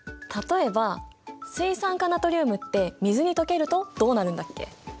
例えば水酸化ナトリウムって水に溶けるとどうなるんだっけ？